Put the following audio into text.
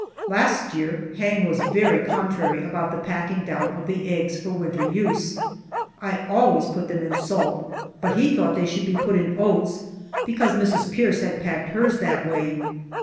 Last year Hang was very contrary about the packing down of the eggs for winter use. I always put them in salt, but he thought they should be put in oats because Mrs. Pierce had packed hers that way.